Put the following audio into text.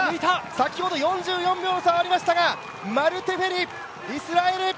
先ほど４４秒の差がありましたが、マル・テフェリ、イスラエル！